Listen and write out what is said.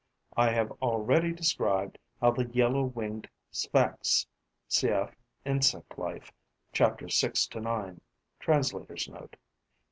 I have already described how the Yellow winged Sphex (Cf. "Insect Life": chapters 6 to 9. Translator's Note.)